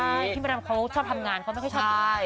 ใช่พี่ประดำเขาชอบทำงานเขาไม่ค่อยชอบทำงาน